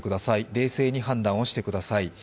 冷静に判断をしてください。